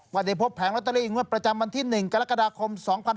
ได้พบแผงลอตเตอรี่งวดประจำวันที่๑กรกฎาคม๒๕๖๒